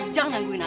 jangan gangguin aku